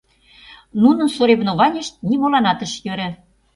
Нунын соревнованьышт нимоланат ыш йӧрӧ.